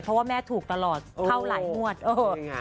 เพราะว่าแม่ถูกตลอดเท่าหลายงวดเออหรืออย่างนี้ค่ะ